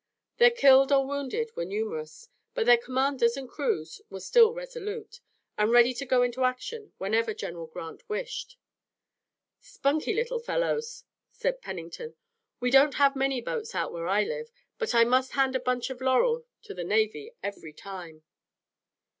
Their killed or wounded were numerous, but their commanders and crews were still resolute, and ready to go into action whenever General Grant wished. "Spunky little fellows," said Pennington. "We don't have many boats out where I live, but I must hand a bunch of laurel to the navy every time."